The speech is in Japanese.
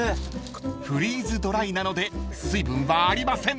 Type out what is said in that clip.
［フリーズドライなので水分はありません］